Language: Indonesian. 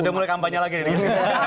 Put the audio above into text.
udah mulai kampanye lagi nih